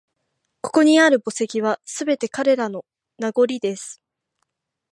ここにある墓石は、すべて彼らの…名残です